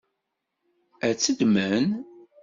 Ad tt-ddmen?